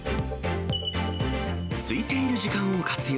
すいている時間を活用。